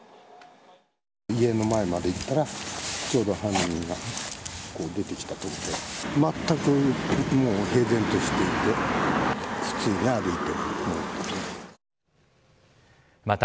家の前まで行ったら、ちょうど犯人が出てきたところで、全くもう平然としていて、普通に歩いて、戻っていった。